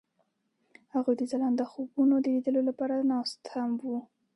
هغوی د ځلانده خوبونو د لیدلو لپاره ناست هم وو.